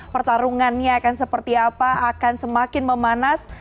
pertarungannya akan seperti apa akan semakin memanas